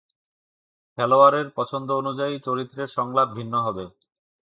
খেলোয়াড়ের পছন্দ অনুযায়ী চরিত্রের সংলাপ ভিন্ন হবে।